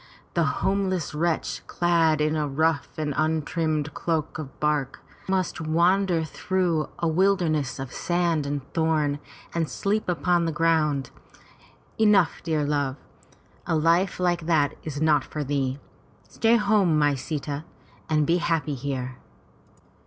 The home less wretch, clad in a rough and untrimmed coat of bark, must wander through a wilderness of sand and thorn and sleep upon the ground. Enough, dear love. A life like that is not for thee. Stay home, my Sita, and be happy here."